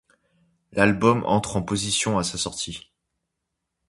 L'album entre en position à sa sortie.